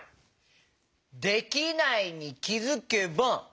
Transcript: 「できないに気づけば」。